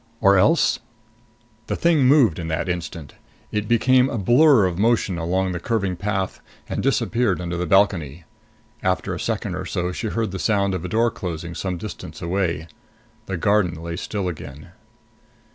Or else The thing moved in that instant. It became a blur of motion along the curving path and disappeared under the balcony. After a second or so she heard the sound of a door closing some distance away. The garden lay still again.